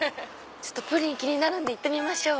プリン気になるんで行ってみましょう！